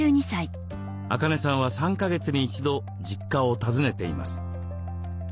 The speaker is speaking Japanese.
アカネさんは３か月に一度実家を訪ねています。